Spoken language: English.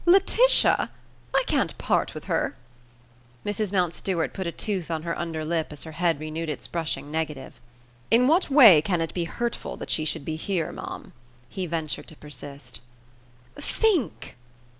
"Laetitia? I can't part with her." Mrs. Mountstuart put a tooth on her under lip as her head renewed its brushing negative. "In what way can it be hurtful that she should be here, ma'am?" he ventured to persist. "Think."